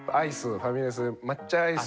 ファミレスで抹茶アイス。